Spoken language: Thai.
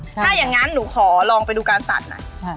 ถ้าอย่างนั้นหนูขอลองไปดูการสัดหน่อย